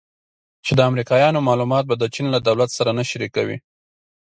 چې د امریکایانو معلومات به د چین له دولت سره نه شریکوي